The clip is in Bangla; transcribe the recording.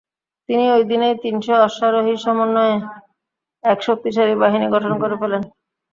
তিনি ঐ দিনেই তিনশ অশ্বারোহী সমন্বয়ে এক শক্তিশালী বাহিনী গঠন করে ফেলেন।